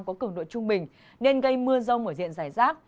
có cường độ trung bình nên gây mưa rông ở diện giải rác